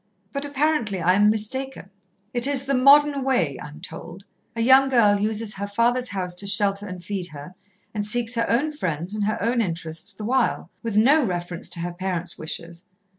But apparently I am mistaken. "It is the modern way, I am told. A young girl uses her father's house to shelter and feed her, and seeks her own friends and her own interests the while, with no reference to her parents' wishes.